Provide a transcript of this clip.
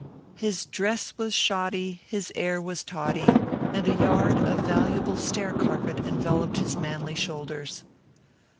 His dress was shoddy, his air was toddy, and a yard of valuable stair carpet enveloped his manly shoulders.